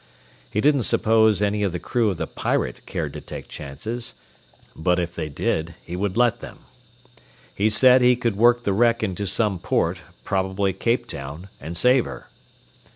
He didn't suppose any of the crew of the Pirate cared to take chances, but if they did, he would let them. He said he could work the wreck into some port, probably Cape Town, and save her.